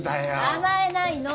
甘えないの。